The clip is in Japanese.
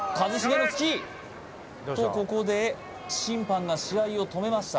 やめ！とここで審判が試合を止めました